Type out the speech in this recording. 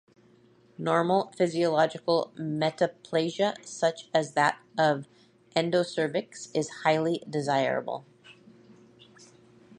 Normal physiological metaplasia-such as that of the endocervix is highly desirable.